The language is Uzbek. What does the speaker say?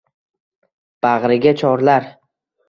Bag‘riga chorlar